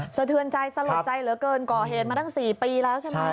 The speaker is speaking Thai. สะเทือนใจสลดใจเหลือเกินก่อเหตุมาตั้ง๔ปีแล้วใช่ไหม